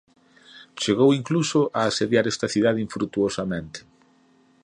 Chegou incluso a asediar esta cidade infrutuosamente.